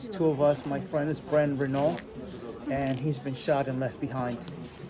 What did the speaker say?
dua orang dari kami teman saya brent reynolds dan dia terburu buru dan terlepas di belakang